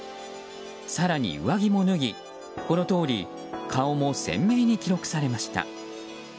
更に上着も脱ぎ、このとおり顔も鮮明に記録されました。